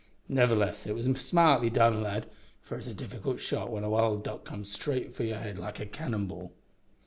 Nevertheless, it was smartly done, lad, for it's a difficult shot when a wild duck comes straight for your head like a cannon ball."